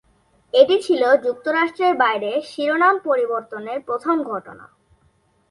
এটি ছিল যুক্তরাষ্ট্রের বাইরে শিরোনাম পরিবর্তনের প্রথম ঘটনা।